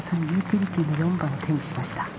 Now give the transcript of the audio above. ユーティリティーの４番を手にしました。